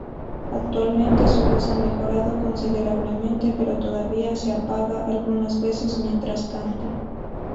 Actualmente su voz ha mejorado considerablemente pero todavía, se apaga algunas veces mientras canta.